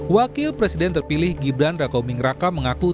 wakil presiden terpilih gibran rakauming raka mengaku